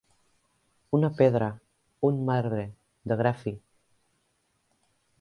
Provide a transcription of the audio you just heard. Una pedra, un marbre, de gra fi.